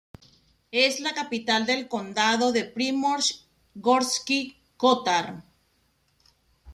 Es la capital del condado de Primorje-Gorski Kotar.